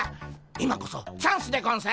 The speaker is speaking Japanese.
今こそチャンスでゴンス。